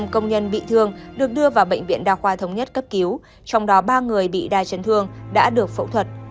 năm công nhân bị thương được đưa vào bệnh viện đa khoa thống nhất cấp cứu trong đó ba người bị đai chấn thương đã được phẫu thuật